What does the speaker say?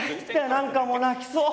何かもう泣きそう！